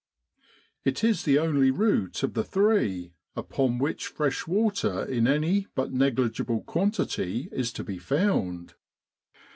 It is the only route of the three upon which fresh water in any but negligible quantity is to be found.